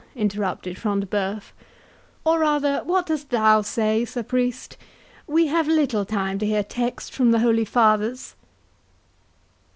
interrupted Front de Bœuf; "or rather what dost thou say, Sir Priest? We have little time to hear texts from the holy fathers."